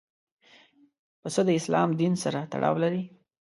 پسه د اسلام دین سره تړاو لري.